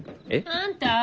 あんた。